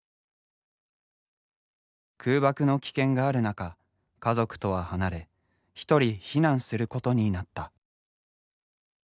空爆の危険がある中家族とは離れ一人避難することになった。